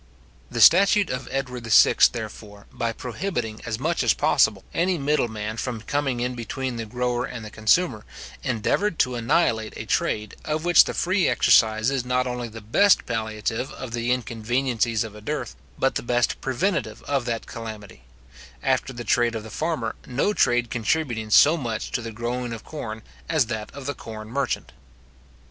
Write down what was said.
The statute of Edward VI. therefore, by prohibiting as much as possible any middle man from coming in between the grower and the consumer, endeavoured to annihilate a trade, of which the free exercise is not only the best palliative of the inconveniencies of a dearth, but the best preventive of that calamity; after the trade of the farmer, no trade contributing so much to the growing of corn as that of the corn merchant.